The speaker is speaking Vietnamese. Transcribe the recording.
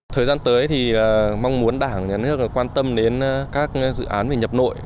thời gian tới thì mong muốn đảng nhà nước quan tâm đến các dự án về nhập nội